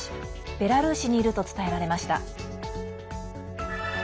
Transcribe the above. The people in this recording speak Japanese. ベラルーシにいると伝えられました。